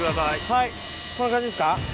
はいこんな感じですか。